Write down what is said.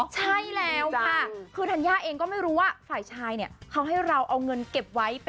ใช่แล้วค่ะคือธัญญาเองก็ไม่รู้ว่าฝ่ายชายเนี่ยเขาให้เราเอาเงินเก็บไว้